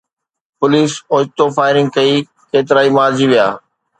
وليس اوچتو فائرنگ ڪئي، ڪيترائي مارجي ويا